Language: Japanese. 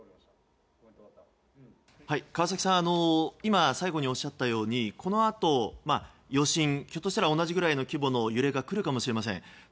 川崎さん、今最後におっしゃったようにこのあと余震、ひょっとしたら同じぐらいの規模の揺れが来るかもしれません。